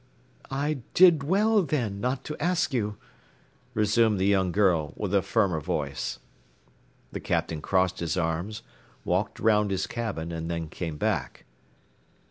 "I did well, then, not to ask you," resumed the young girl, with a firmer voice. The Captain crossed his arms, walked round his cabin, and then came back.